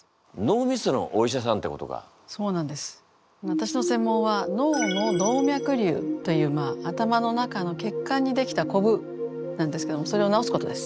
私の専門は脳の動脈瘤というまあ頭の中の血管にできたこぶなんですけどもそれを治すことです。